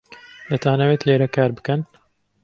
دەتانەوێت لێرە کار بکەن؟